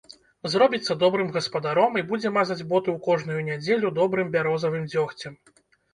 Зробіцца добрым гаспадаром і будзе мазаць боты ў кожную нядзелю добрым бярозавым дзёгцем.